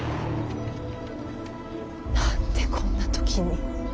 何でこんな時に。